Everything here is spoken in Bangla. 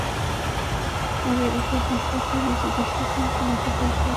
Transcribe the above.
পরে একই হাসপাতালে চিকিৎসাধীন সেনাসদস্য আবু সালেহ এবং আরিফ আজাদ মারা যান।